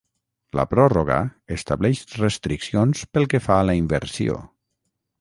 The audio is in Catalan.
La pròrroga estableix restriccions pel que fa la inversió.